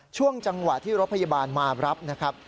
ช่วงจังหวะที่รถพยาบาลมารับนะครับ